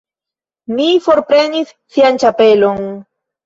Li forprenis sian ĉapelon.